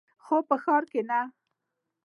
خو په ښار کښې نه.